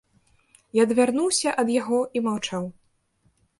Я адвярнуўся ад яго і маўчаў.